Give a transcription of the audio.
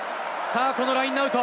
このラインアウト。